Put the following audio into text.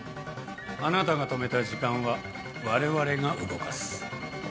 あなたが止めた時間は我々が動かす。